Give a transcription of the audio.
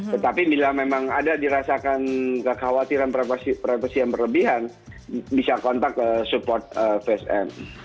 tetapi bila memang ada dirasakan kekhawatiran privacy yang berlebihan bisa kontak support vsm